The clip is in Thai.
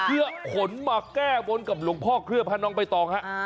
เพื่อขนมาแก้วนกับหลวงพ่อเคลือบพระน้องไปต่อครับ